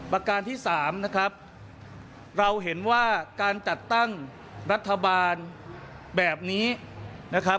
ประการที่สามนะครับเราเห็นว่าการจัดตั้งรัฐบาลแบบนี้นะครับ